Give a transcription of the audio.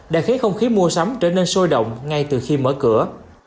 đã khiến không khí mua sắm trở nên sôi động ngay từ khi mở cửa